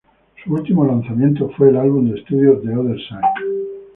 Su último lanzamiento fue el álbum de estudio "The Other Side".